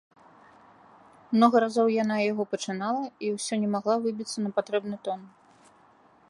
Многа разоў яна яго пачынала і ўсё не магла выбіцца на патрэбны тон.